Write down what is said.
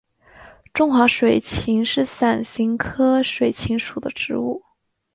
中华水芹是伞形科水芹属的植物。